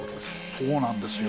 そうなんですよ。